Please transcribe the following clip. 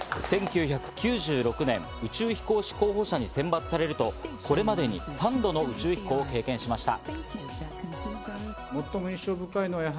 １９９６年、宇宙飛行士候補者に選抜されると、これまでに３度の宇宙飛行を経験しました。